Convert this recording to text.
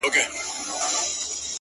زه به د ميني يوه در زده کړم;